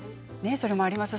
それもありますね